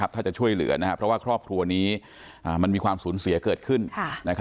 ถ้าจะช่วยเหลือเพราะว่าครอบครัวนี้มันมีความสูญเสียเกิดขึ้น